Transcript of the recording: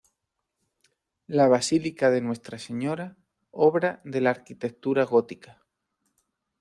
La basílica de Nuestra Señora, obra de la arquitectura gótica.